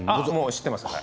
知っています。